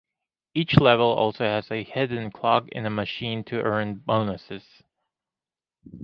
Each level also has a hidden clock in machine to earn bonuses.